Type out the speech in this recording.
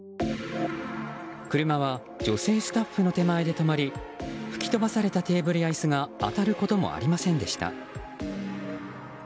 車は女性スタッフの手前で止まり吹き飛ばされたテーブルや椅子が当たることもありませんでした。